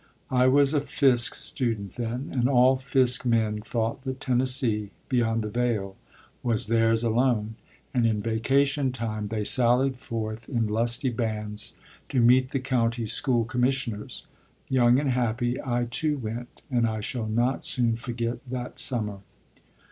I was a Fisk student then, and all Fisk men thought that Tennessee beyond the Veil was theirs alone, and in vacation time they sallied forth in lusty bands to meet the county school commissioners. Young and happy, I too went, and I shall not soon forget that summer.